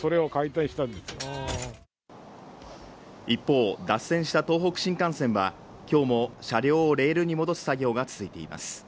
一方脱線した東北新幹線は今日も車両をレールに戻す作業が続いています